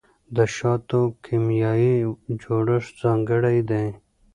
د شاتو کیمیاوي جوړښت ځانګړی دی.